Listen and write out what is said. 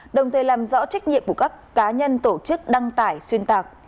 đồng thời làm rõ trách nhiệm của các cá nhân tổ chức đăng tải xuyên tạc